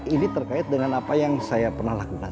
ini terkait dengan apa yang saya pernah lakukan